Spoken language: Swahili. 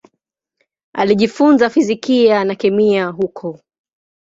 Alijifunza fizikia na kemia huko.